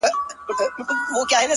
سوال کوم کله دي ژړلي گراني ‘